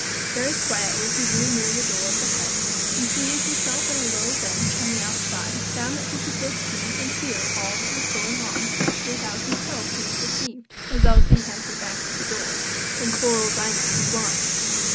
Very quietly he drew near the door of the hut, and seating himself on a low bench on the outside, found that he could both see and hear all that was going on without himself being perceived, as Elsie had her back to the door, and poor old Dinah was blind.